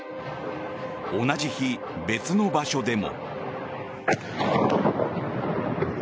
同じ日、別の場所でも。